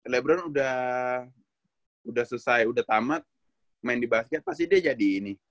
lebron udah selesai udah tamat main di basket pasti dia jadi ini